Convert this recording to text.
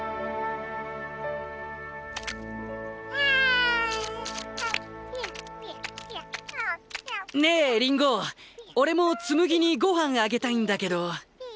ア。ねえリンゴ俺もつむぎにごはんあげたいんだけど。